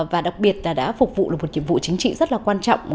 và đặc biệt là đã phục vụ được một nhiệm vụ chính trị rất là quan trọng